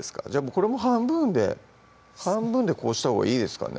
これも半分で半分でこうしたほうがいいですかね